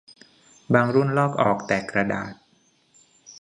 บางรุ่นลอกออกแต่กระดาษ